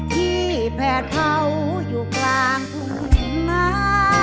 ที่แพทย์เผาอยู่กลางฝุ่นหน้า